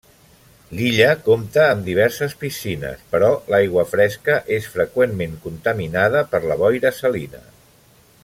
L'illa compta amb diverses piscines, però l'aigua fresca és freqüentment contaminada per la boira salina.